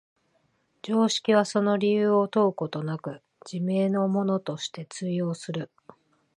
常識はその理由を問うことなく、自明のものとして通用する。